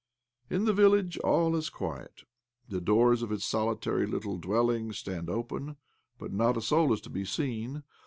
In the village all is quiet. The doors of its solitary little dwellings stand open,, but not a soul is to be seen.